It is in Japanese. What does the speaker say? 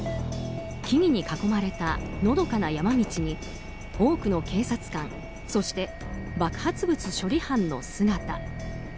木々に囲まれたのどかな山道に多くの警察官そして爆発物処理班の姿。